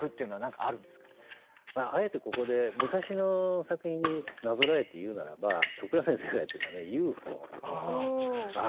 あえてここで昔の作品になぞらえて言うならば都倉先生がやってたね「ＵＦＯ」。